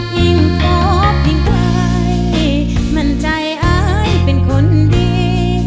ยิ่งพบยิ่งไกลมั่นใจอายเป็นคนดี